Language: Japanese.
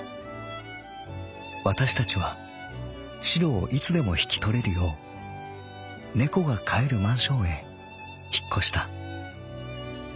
わたしたちはしろをいつでもひきとれるよう猫が飼えるマンションへ引っ越した。